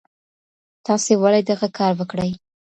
تاسي ولي دغه کار وکړی؟